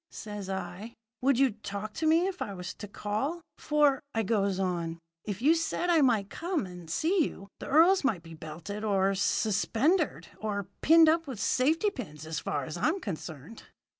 says I. 'Would you talk to me if I was to call? For,' I goes on, 'if you said I might come and see you, the earls might be belted or suspendered, or pinned up with safety pins, as far as I am concerned.'